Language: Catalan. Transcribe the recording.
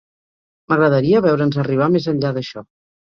M'agradaria veure'ns arribar més enllà d'això.